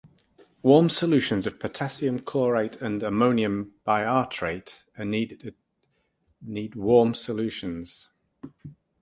Warm solutions of potassium chlorate and ammonium bitartrate are needed need warm solutions.